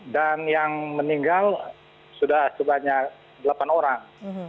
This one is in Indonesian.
dan yang meninggal sudah sebanyak delapan orang